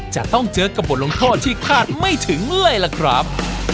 จะต้องเจอกับบทลงโทษที่คาดไม่ถึงเลยล่ะครับ